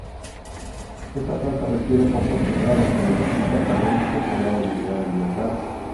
Esta planta requiere pocos cuidados, pero necesita calor y cierto grado de humedad ambiental.